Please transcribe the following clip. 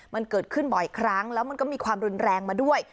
มันเกิดขึ้นบ่อยครั้งแล้วมันก็มีความรุนแรงมาด้วย